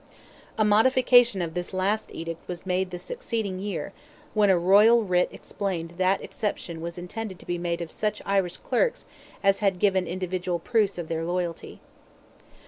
A modification of this last edict was made the succeeding year, when a royal writ explained that exception was intended to be made of such Irish clerks as had given individual proofs of their loyalty.